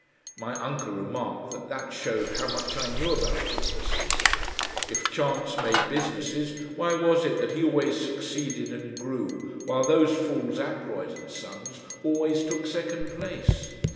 My uncle remarked that that showed how much I knew about businesses. If chance made businesses, why was it that he always succeeded and grew while those fools Ackroyd and Sons always took second place?